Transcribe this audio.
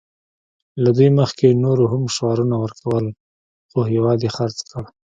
له دوی مخکې نورو هم شعارونه ورکول خو هېواد یې خرڅ کړ